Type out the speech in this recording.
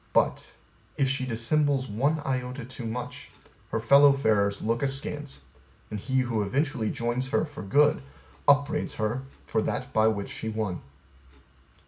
But, an she dissembles one iota too much, her fellow farers look askance, and he who eventually joins her for good upbraids her for that by which she won.